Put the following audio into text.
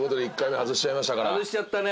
外しちゃったね。